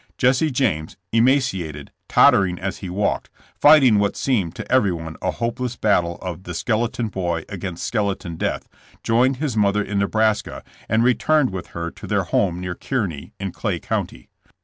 ''Jesse James, emaciated, tottering as he walked, fighting what seemed to everyone a hopeless battle of 'the skeleton boy against skeleton death'— joined his mother in Nebraska and returned with her to their home near Kearney, in Clay County.